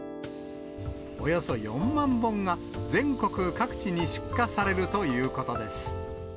およそ４万本が全国各地に出荷されるということです。